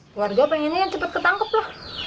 keluarga pengennya cepat ketangkep lah